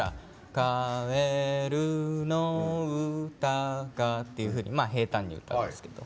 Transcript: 「かえるのうたが」っていうふうに平たんに歌うんですけど。